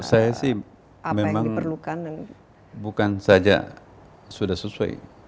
saya sih memang bukan saja sudah sesuai